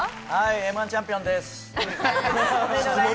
М‐１チャンピオンです。